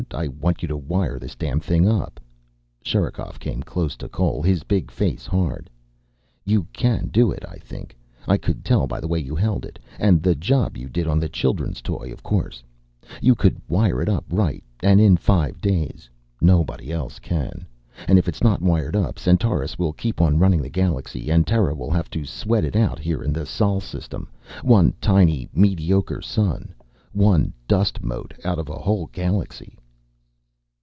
I want you to wire this damn thing up." Sherikov came close to Cole, his big face hard. "You can do it, I think. I could tell by the way you held it and the job you did on the children's toy, of course. You could wire it up right, and in five days. Nobody else can. And if it's not wired up Centaurus will keep on running the galaxy and Terra will have to sweat it out here in the Sol system. One tiny mediocre sun, one dust mote out of a whole galaxy."